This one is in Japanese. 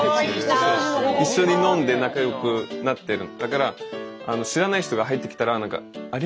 一緒に飲んで仲良くなってる。